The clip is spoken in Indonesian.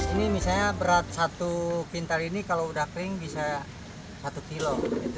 ini misalnya berat satu pintar ini kalau udah kering bisa satu kilo